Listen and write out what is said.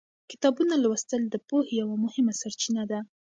کتابونه لوستل د پوهې یوه مهمه سرچینه ده.